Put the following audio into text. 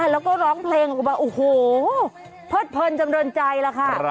แล้วก็ร้องเพลงออกมาโอ้โหเพิดเพลินจำเรินใจแล้วค่ะ